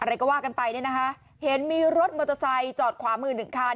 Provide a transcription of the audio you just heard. อะไรก็ว่ากันไปเนี่ยนะคะเห็นมีรถมอเตอร์ไซค์จอดขวามือหนึ่งคัน